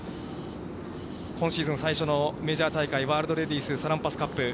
今シーズンの最初のメジャー大会、ワールドレディスサロンパスカップ。